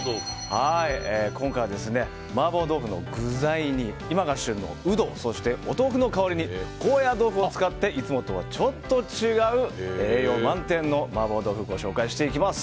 今回は、麻婆豆腐の具材に今が旬のウドそしてお豆腐の代わりに高野豆腐を使っていつもとはちょっと違う栄養満点の麻婆豆腐をご紹介していきます。